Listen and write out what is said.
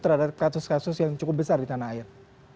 terhadap kasus kasus yang cukup besar di tanah air